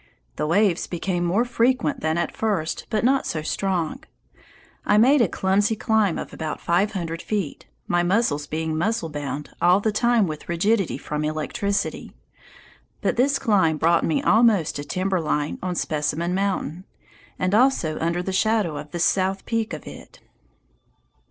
The waves became more frequent than at first, but not so strong. I made a clumsy climb of about five hundred feet, my muscles being "muscle bound" all the time with rigidity from electricity. But this climb brought me almost to timber line on Specimen Mountain, and also under the shadow of the south peak of it.